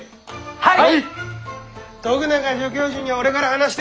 はい！